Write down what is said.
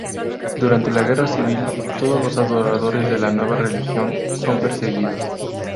Durante la guerra civil, todos los adoradores de la nueva religión son perseguidos.